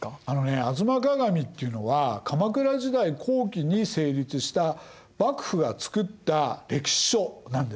「吾妻鏡」っていうのは鎌倉時代後期に成立した幕府が作った歴史書なんですね。